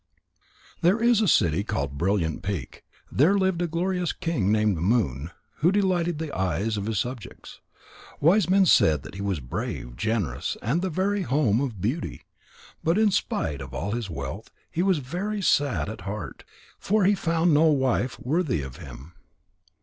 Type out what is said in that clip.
There is a city called Brilliant peak. There lived a glorious king named Moon, who delighted the eyes of his subjects. Wise men said that he was brave, generous, and the very home of beauty. But in spite of all his wealth, he was very sad at heart. For he found no wife worthy of him.